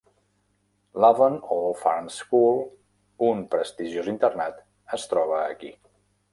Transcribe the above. L'Avon Old Farms School, un prestigiós internat, es troba aquí.